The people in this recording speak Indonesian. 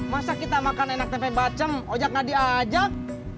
masa kita makan enak tempe bacem ojak nggak diajak